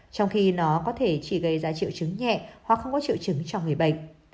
trong khi nó có thể chỉ gây ra triệu chứng nhẹ hoặc không có triệu chứng cho người bệnh